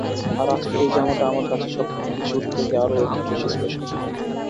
আর আজকে এই জামাটা আমার কাছে সবকিছুর থেকে আরও একটু বেশি স্পেশাল।